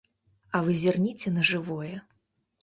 А вы зірніце на жывое.